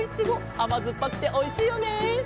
あまずっぱくておいしいよね。